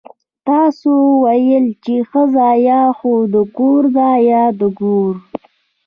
تاسو ويل چې ښځه يا خو د کور ده يا د ګور.